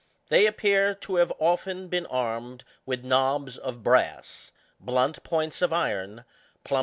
They appear to have often been armed with knobs of brass, blunt points of iron, plummets of lead, &c.